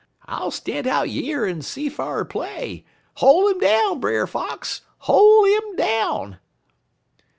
I'll stan' out yer en see fa'r play. Hol' 'im down, Brer Fox! Hol' 'im down!'